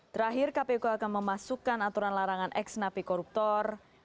terakhir kpu akan memasukkan aturan larangan eksnapik koruptor